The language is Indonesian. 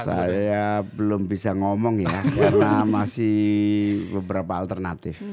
saya belum bisa ngomong ya karena masih beberapa alternatif